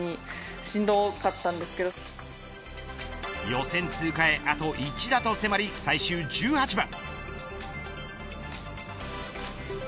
予選通過へあと１打と迫り最終１８番。